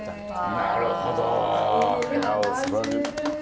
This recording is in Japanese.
なるほど。